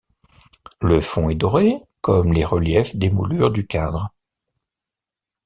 Le fond est doré comme les reliefs des moulures du cadre.